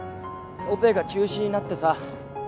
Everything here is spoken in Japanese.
オペが中止になってさ。